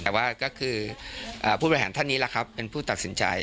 แต่ว่าก็คือผู้บริหารท่านนี้แหละครับเป็นผู้ตัดสินใจ